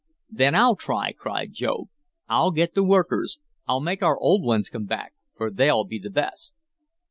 "Then I'll try!" cried Job. "I'll get the workers. I'll make our old ones come back, for they'll be the best."